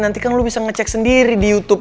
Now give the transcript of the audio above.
nanti kan lo bisa ngecek sendiri di youtube